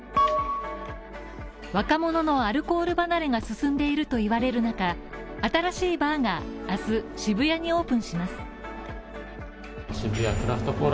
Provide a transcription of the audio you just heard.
若者のアルコール離れが進んでいるといわれる中新しいバーが明日、渋谷にオープンします。